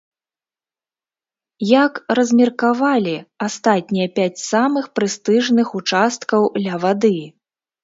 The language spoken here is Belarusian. Як размеркавалі астатнія пяць самых прэстыжных участкаў ля вады?